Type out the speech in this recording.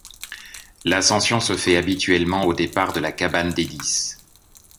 L’ascension se fait habituellement au départ de la cabane des Dix.